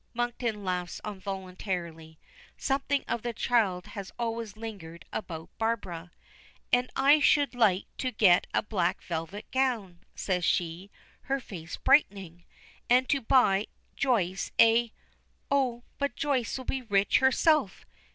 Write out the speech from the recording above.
Monkton laughs involuntarily. Something of the child has always lingered about Barbara. "And I should like to get a black velvet gown," says she, her face brightening, "and to buy Joyce a Oh! but Joyce will be rich herself."